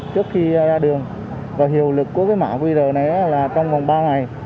trước khi ra đường hiệu lực của mã qr này là trong vòng ba ngày